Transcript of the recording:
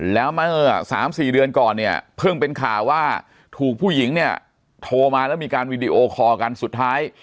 แล้วเมื่อ๓๔เดือนก่อนเนี่ยเพิ่งเป็นข่าวว่าถูกผู้หญิงเนี่ยโทรมาแล้วมีการวีดีโอคอลกันสุดท้าย